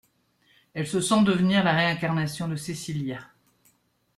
Elle se sent devenir la réincarnation de cécilia.